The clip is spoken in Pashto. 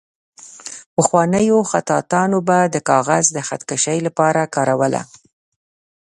پخوانیو خطاطانو به د کاغذ د خط کشۍ لپاره کاروله.